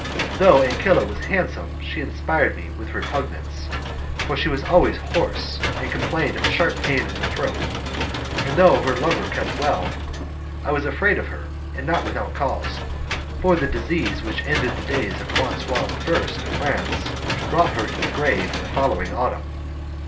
Though Ancilla was handsome she inspired me with repugnance, for she was always hoarse, and complained of a sharp pain in the throat, and though her lover kept well, I was afraid of her, and not without cause, for the disease which ended the days of Francis I. of France brought her to the grave in the following autumn.